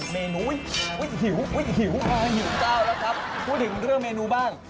เมนูอุ๊ยหิวออกนะพูดถึงเรื่องเมนูบ้าง